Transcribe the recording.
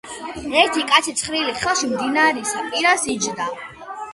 ერთი კაცი ცხრილი ხელში მდინარისა პირას იჯდა.